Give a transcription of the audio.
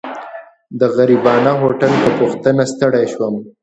د غریبانه هوټل په پوښتنه ستړی شوم.